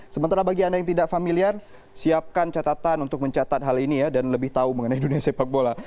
sementara bagi anda yang tidak familiar siapkan catatan untuk mencatat hal ini ya dan lebih tahu mengenai dunia sepak bola